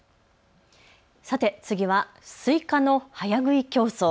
さて次はスイカの早食い競争。